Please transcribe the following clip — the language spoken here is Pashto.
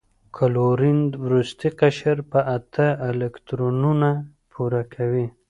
کلورین وروستی قشر په اته الکترونونه پوره کوي.